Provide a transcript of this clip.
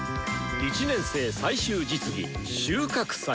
１年生最終実技収穫祭！